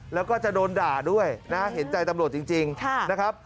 แล้วก็จะโดนด่าด้วยนะเห็นใจตำรวจจริงนะครับ